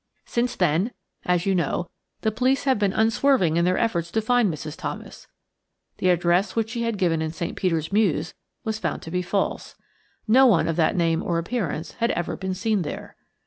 Since then, as you know, the police have been unswerving in their efforts to find Mrs. Thomas. The address which she had given in St. Peter's Mews was found to be false. No one of that name or appearance had ever been seen there.